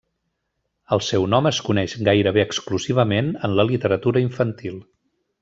El seu nom es coneix gairebé exclusivament en la literatura infantil.